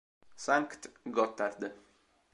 Sankt Gotthard